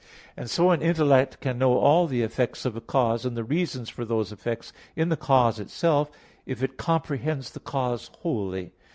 And so an intellect can know all the effects of a cause and the reasons for those effects in the cause itself, if it comprehends the cause wholly.